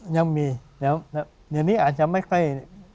ยังมีเดี๋ยวนี้อาจจะไม่ค่อย